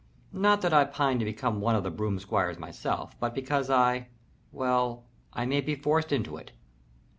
Not that I pine to become one of the Broom Squires myself, but because I well, I may be forced into it."